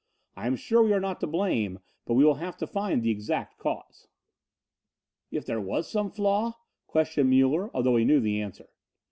I am sure we are not to blame, but we will have to find the exact cause." "If there was some flaw?" questioned Muller, although he knew the answer.